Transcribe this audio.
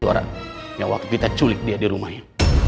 suara yang waktu kita culik dia di rumahnya